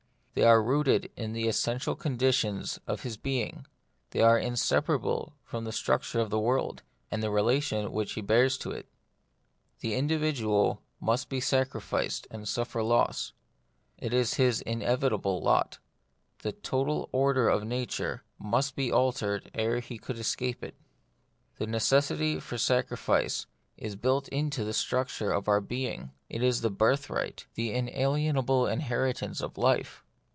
They are rooted in the essential conditions of his being ; they are inseparable from the struc ture of the world, and the relations which he bears to it. The individual must be sacrificed and suffer loss. It is his inevitable lot : the total order of nature must be altered ere he ; could escape it. The necessity for sacrifice is The Mystery of Pain. built into the structure of our being ; it is the birthright, the inalienable inheritance of life.